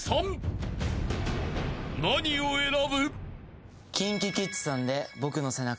［何を選ぶ？］